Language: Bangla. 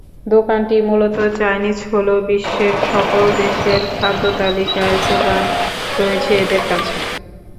দোকানটি মূলত চাইনিজ হলেও বিশ্বের সকল দেশের খাদ্যতালিকার জোগান রয়েছে এদের কাছে।